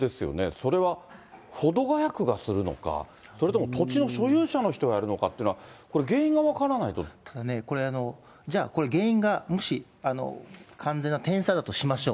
それは保土ケ谷区がするのか、それとも土地の所有者の人がやるのかって、これ、原因が分からなただね、これ、じゃあ、原因がもし完全な天災だとしましょう。